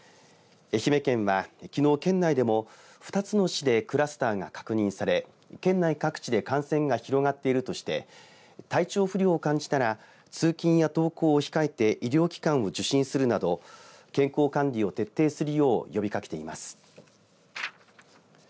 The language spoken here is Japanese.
愛媛県は、きのう県内でも２つの市でクラスターが確認され県内各地で感染が広がっているとして体調不良を感じたら通勤や登校を控えて医療機関を受診するなど健康管理を徹底するよう呼びかけています。